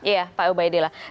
iya pak ubaidillah